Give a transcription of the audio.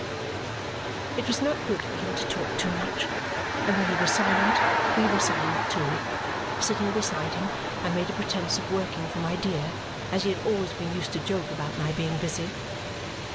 It was not good for him to talk too much, and when he was silent, we were silent too. Sitting beside him, I made a pretence of working for my dear, as he had always been used to joke about my being busy.